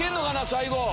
最後。